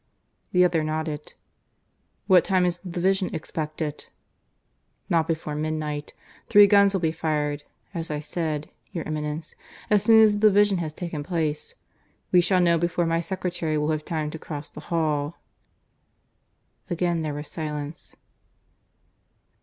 The other nodded. "What time is the division expected?" "Not before midnight. Three guns will be fired, as I said, your Eminence, as soon as the division has taken place. We shall know before my secretary will have time to cross the hall." Again there was silence.